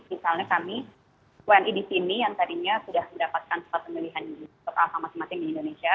misalnya kami wni di sini yang tadinya sudah mendapatkan pelatih pemilihan untuk alamat alamat yang di indonesia